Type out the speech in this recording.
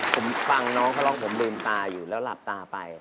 ผมฟังน้องเขาร้องผมลืมตาอยู่แล้วหลับตาไป